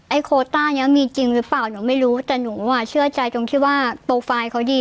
โคต้านี้มีจริงหรือเปล่าหนูไม่รู้แต่หนูอ่ะเชื่อใจตรงที่ว่าโปรไฟล์เขาดี